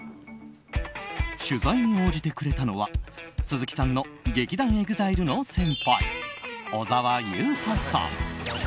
取材に応じてくれたのは鈴木さんの劇団ＥＸＩＬＥの先輩小澤雄太さん。